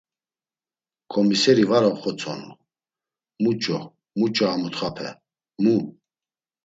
Ǩomiseri var oxvotzonu: “Muç̌o? Muç̌o a mutxape? Mu?”